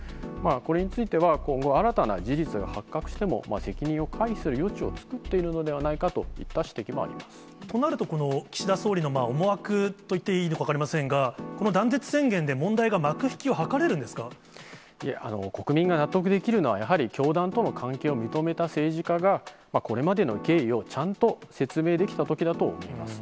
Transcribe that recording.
これについては、今後、新たな事実が発覚しても、責任を回避する余地を作っているのではないかといった指摘もありとなると、岸田総理の思惑と言っていいのか分かりませんが、この断絶宣言で、国民が納得できるのは、やはり教団との関係を認めた政治家がこれまでの経緯をちゃんと説明できたときだと思います。